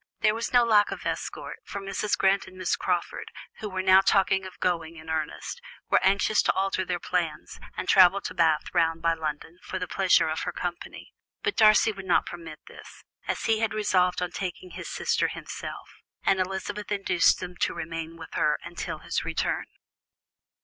There was no lack of escort, for Mrs. Grant and Miss Crawford, who were now talking of going in earnest, were anxious to alter their plans and travel to Bath round by London, for the pleasure of her company; but Darcy would not permit this, as he had resolved on taking his sister himself, and Elizabeth induced them to remain with her until his return.